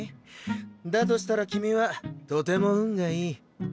だとしたら君はとても運がいい。